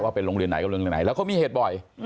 ว่าเป็นโรงเรียนไหนก็เป็นโรงเรียนไหนแล้วก็มีเหตุบ่อย